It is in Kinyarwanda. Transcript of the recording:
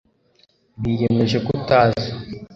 biyemeje kutaza